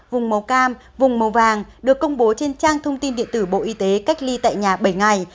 vùng màu cam vùng màu vàng được công bố trên trang thông tin điện tử bộ y tế cách ly tại nhà bảy ngày